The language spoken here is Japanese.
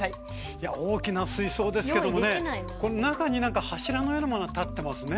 いや大きな水槽ですけどもねこの中に何か柱のようなものが立ってますね。